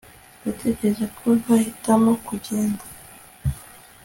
Ndatekereza ko nahitamo kugenda